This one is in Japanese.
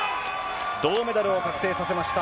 銅メダルを確定させました。